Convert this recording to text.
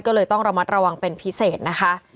ก็เลยต้องระมัดระวังเป็นพิเศษนะคะ